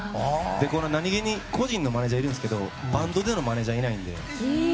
何気に、個人のマネジャーはいるんですけどバンドでのマネジャーがいないので。